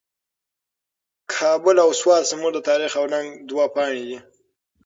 کابل او سوات زموږ د تاریخ او ننګ دوه پاڼې دي.